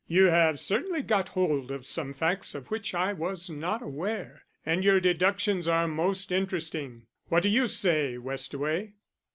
"You have certainly got hold of some facts of which I was not aware. And your deductions are most interesting. What do you say, Westaway?"